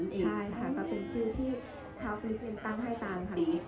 ใช่ค่ะก็เป็นชื่อที่ชาวฟิลิปปินส์ตั้งให้ตามค่ะ